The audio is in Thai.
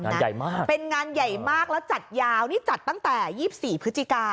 ใหญ่มากเป็นงานใหญ่มากแล้วจัดยาวนี่จัดตั้งแต่๒๔พฤศจิกา